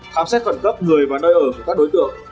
khám xét khẩn cấp người và nơi ở của các đối tượng